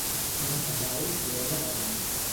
Una semal plena de raïms.